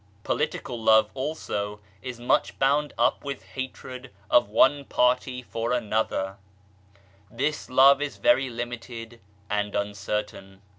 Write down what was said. Political love also is much bound up with hatred of one party for another ; this Love is very limited and un certain.